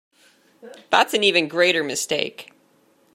That’s an even greater mistake.